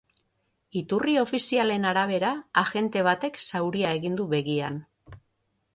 Iturri ofizialen arabera, agente batek zauria egin du begian.